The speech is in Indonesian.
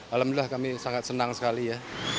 alhamdulillah kami sangat senang sekali ya